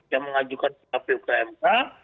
yang mengajukan kpu ke mk